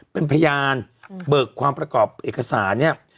เป็นพยานเบิกความประกอบเอกสารเนี่ย